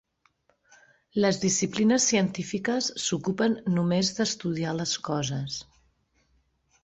Les disciplines científiques s'ocupen només d'estudiar les coses.